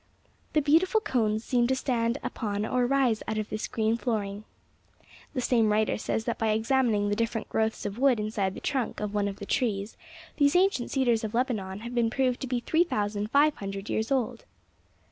The beautiful cones seem to stand upon or rise out of this green flooring.' The same writer says that by examining the different growths of wood inside the trunk of one of the trees these ancient cedars of Lebanon have been proved to be three thousand five hundred years old."